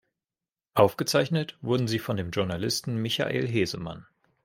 Aufgezeichnet wurden sie von dem Journalisten Michael Hesemann.